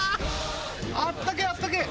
あったけえあったけえ！